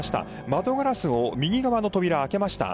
窓ガラスを、右側の扉開けました。